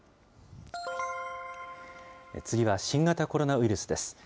次は新型コロナウイルスです。